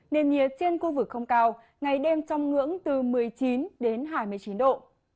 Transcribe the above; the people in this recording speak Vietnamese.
nền nhiệt trên khu vực không cao ngày đêm trong ngưỡng từ một mươi chín đến hai mươi chín độ